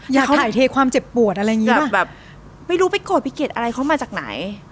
ถ่ายเทความเจ็บปวดอะไรอย่างเงี้ยแบบไม่รู้ไปโกรธไปเกลียดอะไรเขามาจากไหน